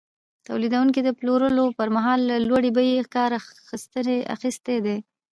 تولیدونکي د پلورلو پر مهال له لوړې بیې کار اخیستی دی